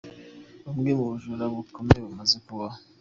Bumwe mu bujura bukomeye bumaze kubaho .